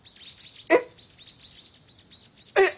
えっ！？えっ！